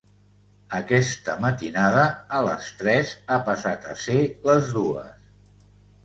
Aquesta matinada, a les tres ha passat a ser les dues.